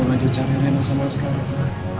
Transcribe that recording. saya mau aja cari rena sama askara pak